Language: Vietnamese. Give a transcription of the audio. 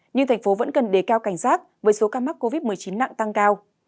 nhưng thành phố vẫn cần đề cao cảnh giác với số ca mắc covid một mươi chín nặng tăng cao